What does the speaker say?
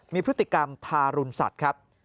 มีพฤติกรรมทารุณสัตว์ครับ